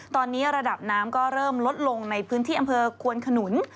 ตอนนี้ระดับน้ำก็เริ่มลดลงในพื้นที่อำเภอควนขนุน